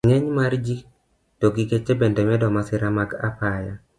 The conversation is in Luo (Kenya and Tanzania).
Ng'eny mar ji to gi geche bende medo masira mag apaya.